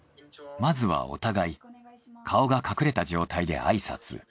まずはお互い顔が隠れた状態で挨拶。